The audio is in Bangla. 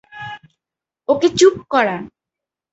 ওকে চুপ করা।